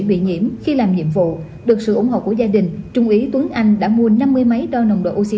bị nhiễm khi làm nhiệm vụ được sự ủng hộ của gia đình trung ý tuấn anh đã mua năm mươi máy đo nồng độ oxy